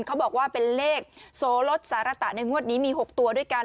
เขาบอกว่าเป็นเลขโสลดสารตะในงวดนี้มี๖ตัวด้วยกัน